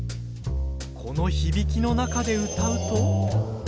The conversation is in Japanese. この響きの中で歌うと。